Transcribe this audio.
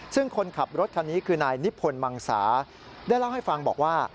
ซึ่งคนขับรถคันนี้คือนายนิพนธ์มังสาได้เล่าให้ฟังบอกว่า